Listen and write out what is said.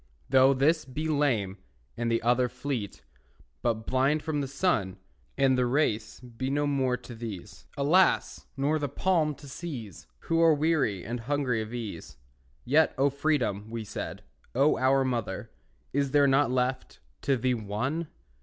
Though this be lame, and the other Fleet, but blind from the sun, And the race be no more to these, Alas! nor the palm to seize, Who are weary and hungry of ease, Yet, O Freedom, we said, O our mother, Is there not left to thee one?